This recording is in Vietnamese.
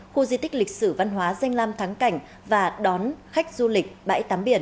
khu di tích lịch sử văn hóa danh lam thắng cảnh và đón khách du lịch bãi tắm biển